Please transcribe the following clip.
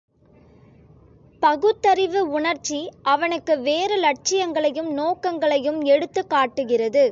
பகுத்தறிவு உணர்ச்சி அவனுக்கு வேறு இலட்சியங்களையும் நோக்கங்களையும் எடுத்துக் காட்டுகிறது.